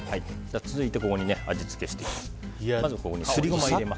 続いてここに味付けしていきます。